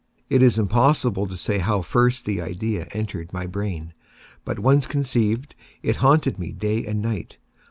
It is impossible to say how first the idea entered my brain; but once conceived, it haunted me day and night.